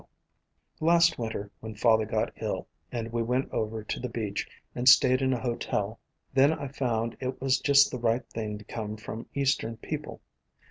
264 A COMPOSITE FAMILY Last Winter when father got ill, and we went over to the beach and stayed in a hotel, then I found it was just the right thing to come from eastern people.